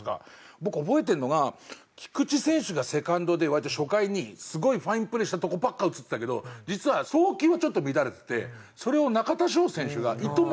僕覚えてるのが菊池選手がセカンドで割と初回にすごいファインプレーしたとこばっか映ってたけど実は送球がちょっと乱れててそれを中田翔選手がいとも